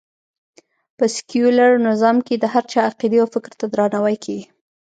په سکیولر نظام کې د هر چا عقېدې او فکر ته درناوی کېږي